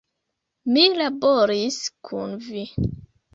Mi laboris kun vi!